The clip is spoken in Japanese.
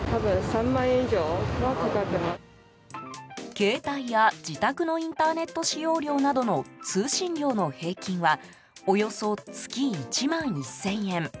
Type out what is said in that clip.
携帯や、自宅のインターネット使用料などの通信料の平均はおよそ月１万１０００円。